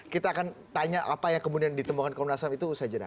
kita akan tanya apa yang kemudian ditemukan komnas ham itu usai jeda